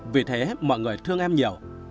vì thế mọi người thương em nhiều